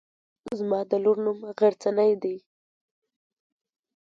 زما د لور نوم غرڅنۍ دی.